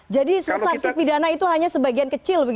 jadi saksipidana itu hanya sebagian kecil